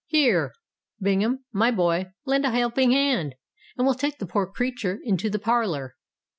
"Here, Bingham, my boy, lend a helping hand, and we'll take the poor creatur into the parlour."